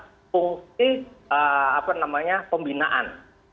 lalu kemudian yang ketiga itu adalah fungsi pembinaan